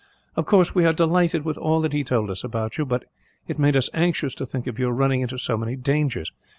"Of course, we were delighted with all that he told us about you; but it made us anxious to think of your running into so many dangers.